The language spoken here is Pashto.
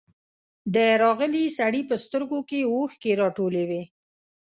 د راغلي سړي په سترګو کې اوښکې راټولې وې.